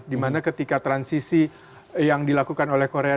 dimana ketika transisi yang dilakukan oleh korea